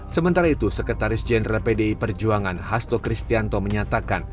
sementara itu sekretaris jenderal pdi perjuangan hasto kristianto menyatakan